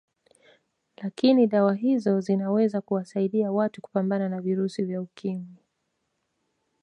Lakini dawa hizo zinaweza kuwasaidia watu kupambana na virusi vya Ukimwi